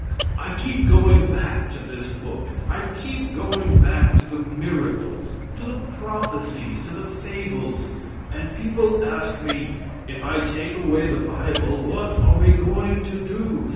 I keep going back to this book; I keep going back to the miracles, to the prophecies, to the fables, and people ask me, if I take away the bible, what are we going to do?